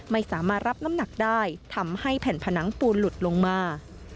ไม่สามารถรับน้ำหนักได้ทำให้แผ่นผนังปูนหลุดลงมา